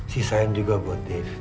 sisain juga buat dev